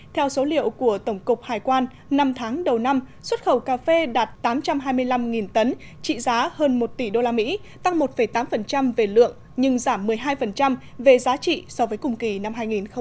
theo số liệu của tổng cục hải quan năm tháng đầu năm xuất khẩu cà phê đạt tám trăm hai mươi năm tấn trị giá hơn một tỷ usd tăng một tám về lượng nhưng giảm một mươi hai về giá trị so với cùng kỳ năm hai nghìn một mươi chín